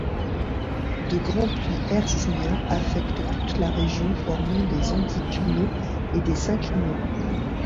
De grands plis hercyniens affectent toute la région formant des anticlinaux et des synclinaux.